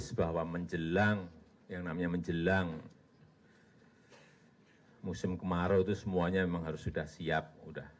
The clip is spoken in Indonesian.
bahwa menjelang yang namanya menjelang musim kemarau itu semuanya memang harus sudah siap